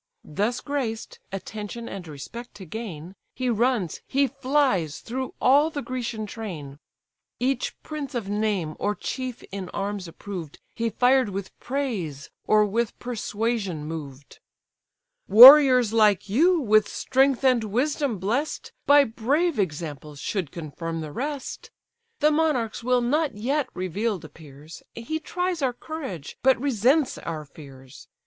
Thus graced, attention and respect to gain, He runs, he flies through all the Grecian train; Each prince of name, or chief in arms approved, He fired with praise, or with persuasion moved. "Warriors like you, with strength and wisdom bless'd, By brave examples should confirm the rest. The monarch's will not yet reveal'd appears; He tries our courage, but resents our fears.